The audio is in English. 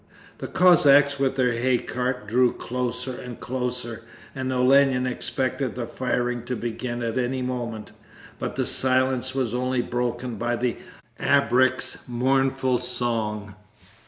The Cossacks with their hay cart drew closer and closer, and Olenin expected the firing to begin at any moment, but the silence was only broken by the abreks' mournful song.